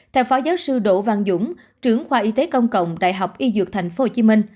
theo phó giáo sư đỗ văn dũng trưởng khoa y tế công cộng đại học y dược tp hcm